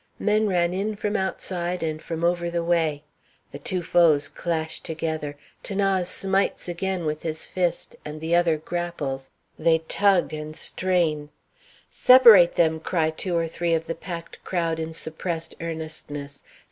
Men ran in from outside and from over the way. The two foes clash together, 'Thanase smites again with his fist, and the other grapples. They tug and strain "Separate them!" cry two or three of the packed crowd in suppressed earnestness.